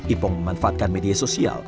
ipong memanfaatkan media sosial